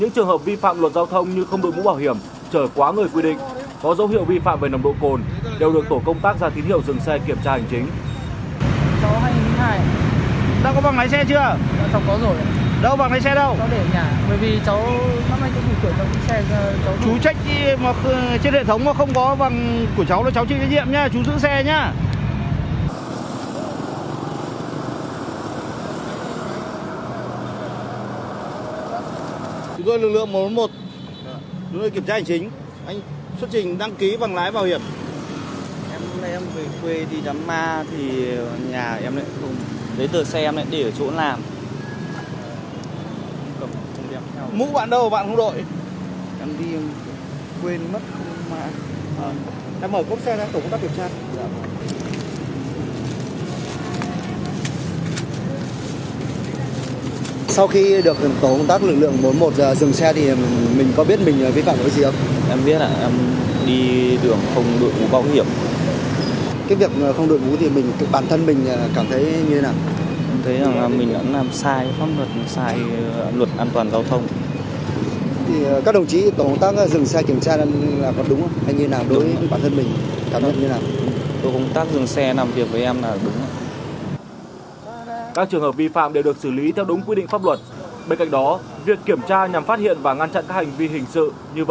có dấu hiệu vi phạm về nồng độ cồn đều được tổ công tác ra tín hiệu dừng xe kiểm tra hành chính